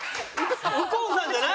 右近さんじゃない？